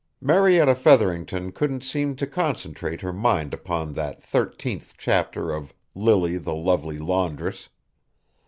Marietta Featherington couldn't seem to concentrate her mind upon that thirteenth chapter of "Lily the Lovely Laundress."